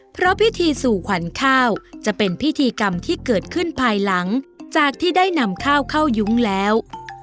เพราะพิธีสู่ขวัญข้าวจะเป็นพิธีกรรมที่เกิดขึ้นภายหลังจากที่ได้นำข้าวเข้ายุ้งแล้ว